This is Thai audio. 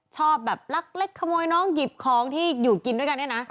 ชอบแบบลักเล็กขโมยน้องหยิบของที่อยู่กินด้วยกันเนี่ยนะ